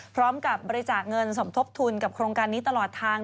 พร้อมกับบริจาคเงินสมทบทุนกับโครงการนี้ตลอดทาง